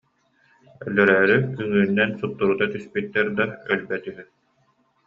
Өлөрөөрү үҥүүнэн суптурута түспүттэр да, өлбөт үһү